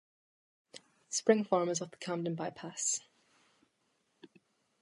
Spring Farm is off the Camden Bypass.